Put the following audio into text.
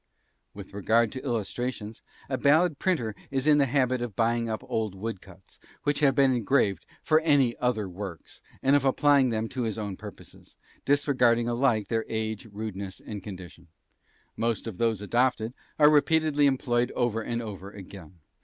With regard to illustrations, a ballad printer is in the habit of buying up old wood cuts which have been engraved for any other works, and of applying them to his own purposes; disregarding alike their age, rudeness, and condition. Most of those adopted are repeatedly employed over and over again.